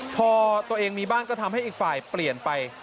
พอตัวเองมีบ้านก็ทำให้อีกฝ่ายเปลี่ยนไป